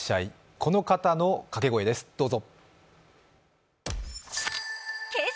この方の掛け声です、どうぞ。